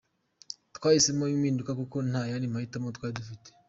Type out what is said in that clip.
Twahisemo impinduka kuko nta yandi mahitamo twari dufite.